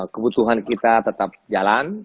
kebutuhan kita tetap jalan